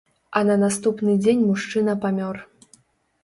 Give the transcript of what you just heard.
А на наступны дзень мужчына памёр.